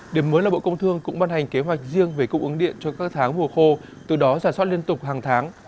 điểm mới là bộ công thương cũng ban hành kế hoạch riêng về cung ứng điện cho các tháng mùa khô từ đó giả soát liên tục hàng tháng